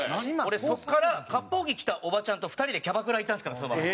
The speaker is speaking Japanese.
俺そこから割烹着着たおばちゃんと２人でキャバクラ行ったんですからそのまま。